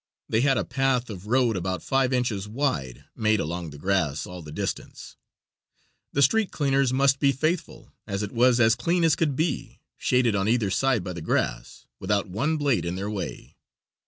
They had a path of road about five inches wide made along the grass all the distance. The street cleaners must be faithful, as it was as clean as could be, shaded on either side by the grass, without one blade in their way.